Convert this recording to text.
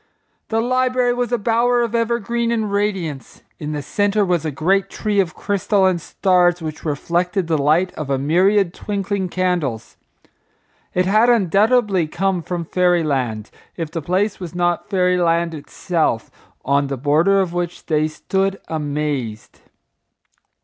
The library was a bower of evergreen and radiance. In the centre was a great tree of crystal and stars which reflected the light of a myriad twinkling candles. It had undoubtedly come from fairy land, if the place was not fairy land itself, on the border of which they stood amazed.